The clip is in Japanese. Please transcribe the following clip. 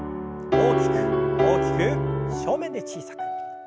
大きく大きく正面で小さく。